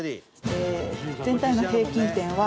全体の平均点は。